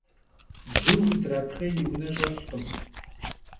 Bzum xudrapxhêy yi vune ş'elhkım.